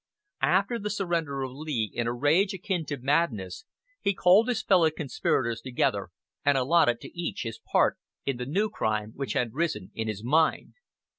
After the surrender of Lee, in a rage akin to madness, he called his fellow conspirators together and allotted to each his part in the new crime which had risen in his mind.